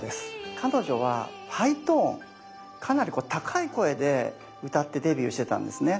彼女はハイトーンかなりこう高い声で歌ってデビューしてたんですね。